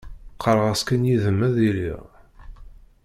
Qqareɣ-as kan yid-m ad iliɣ.